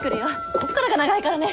こっからが長いからね！